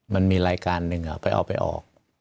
มันมีรายการหนึ่งไปออก